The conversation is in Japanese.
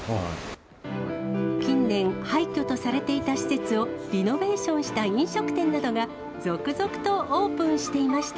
近年、廃虚とされていた施設をリノベーションした飲食店などが、続々とオープンしていました。